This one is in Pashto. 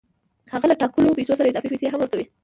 هغه له ټاکلو پیسو سره اضافي پیسې هم ورکوي